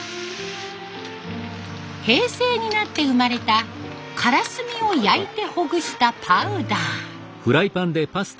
平成になって生まれたからすみを焼いてほぐしたパウダー。